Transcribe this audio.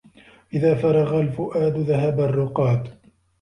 إذا فرغ الفؤاد ذهب الرقاد